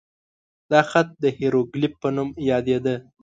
دا خط د هیروګلیف په نوم یادېده.